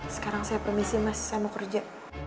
sekarang saya permisi mas saya mau kerja